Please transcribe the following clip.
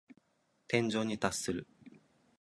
天井に達する。